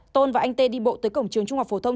tôn và anh tê đi bộ tới cổng trường trung học phổ thông